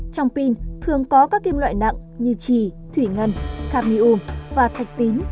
trong pin thường có các kim loại nặng như trì thủy ngân khamium và thạch tín